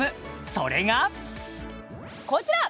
それがこちら！